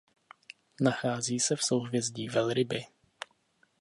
Nachází se v souhvězdí Velryby.